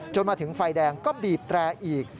มาถึงไฟแดงก็บีบแตรอีก